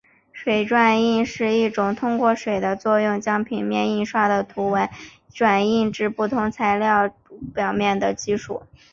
水转印是一种通过水的作用将平面印刷的图文转印至不同材质物体表面的技术。